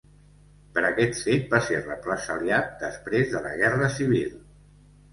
Per aquest fet va ser represaliat després de la Guerra Civil.